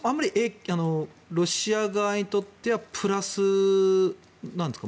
ロシア側にとってはプラスなんですか？